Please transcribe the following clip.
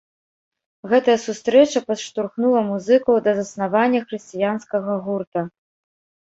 Гэтая сустрэча падштурхнула музыкаў да заснавання хрысціянскага гурта.